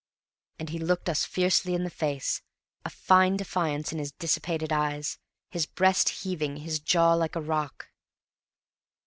And he looked us fiercely in the face, a fine defiance in his dissipated eyes; his breast heaving, his jaw like a rock.